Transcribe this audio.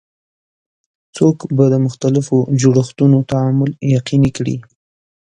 څوک به د مختلفو جوړښتونو تعامل یقیني کړي؟